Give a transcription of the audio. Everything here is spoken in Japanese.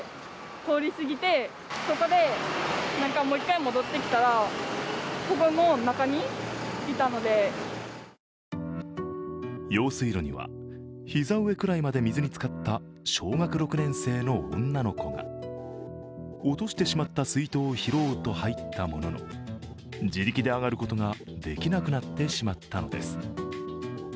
増水していたのですがそばを通りかかると用水路には、膝上くらいまで水に浸かった小学６年生の女の子が落としてしまった水筒を拾おうと入ったものの自力で上がることができなくなってしまったのです。